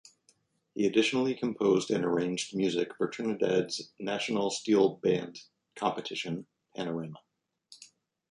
He additionally composed and arranged music for Trinidad's national steelband competition Panorama.